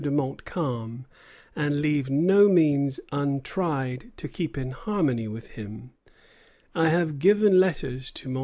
de Montcalm, and leave no means untried to keep in harmony with him, I have given letters to MM.